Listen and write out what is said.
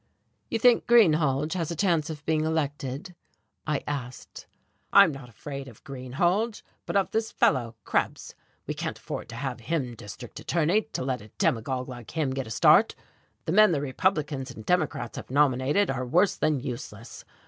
"You think Greenhalge has a chance of being elected?" I asked. "I'm not afraid of Greenhalge, but of this fellow Krebs. We can't afford to have him district attorney, to let a demagogue like him get a start. The men the Republicans and Democrats have nominated are worse than useless.